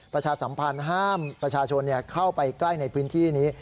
ประชาสัมพันธ์ห้ามประชาชนเข้าไปใกล้ในพื้นที่นี้